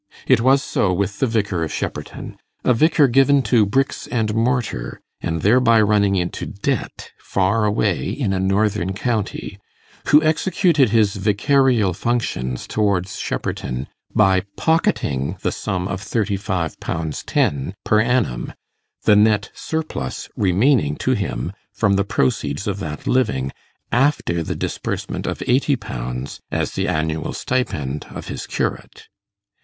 It was so with the Vicar of Shepperton; a vicar given to bricks and mortar, and thereby running into debt far away in a northern county who executed his vicarial functions towards Shepperton by pocketing the sum of thirty five pounds ten per annum, the net surplus remaining to him from the proceeds of that living, after the disbursement of eighty pounds as the annual stipend of his curate.